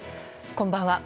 こんばんは。